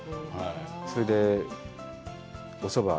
それで、おそば。